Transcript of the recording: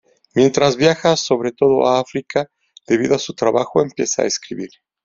Mientras viaja, sobre todo a África, debido a su trabajo, empieza a escribir.